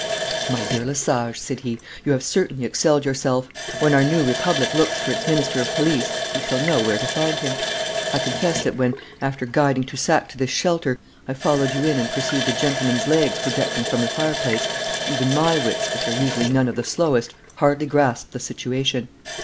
'My dear Lesage,' said he, 'you have certainly excelled yourself. When our new republic looks for its minister of police we shall know where to find him. I confess that when, after guiding Toussac to this shelter, I followed you in and perceived a gentleman's legs projecting from the fireplace, even my wits, which are usually none of the slowest, hardly grasped the situation.